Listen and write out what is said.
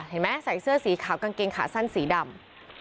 เห็นไหมใส่เสื้อสีขาวกางเกงขาสั้นสีดำ